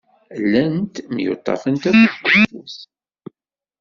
Llant myuṭṭafent afus deg ufus.